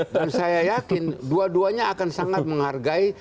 dan saya yakin dua duanya akan sangat menghargai